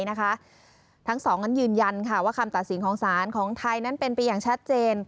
ทั้งสองนั้นยืนยันว่าคำตัดสินของศาลของไทยนั้นเป็นไปอย่างชัดเจน